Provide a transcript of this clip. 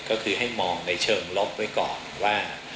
ก็คือให้มองในเชิงลบไว้ก่อนว่า